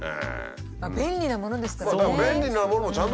便利なものですからね。